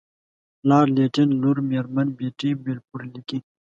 لارډ لیټن لور میرمن بیټي بالفور لیکي.